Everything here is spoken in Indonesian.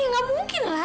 ya gak mungkin lah